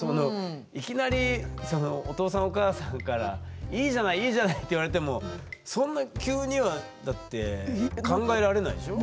いきなりお父さんお母さんから「いいじゃないいいじゃない」って言われてもそんな急にはだって考えられないでしょ？